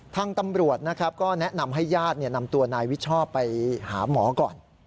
ทางตำรวจนะครับก็แนะนำให้ญาตินำตัวนายวิชชอบไปหาหมอก่อน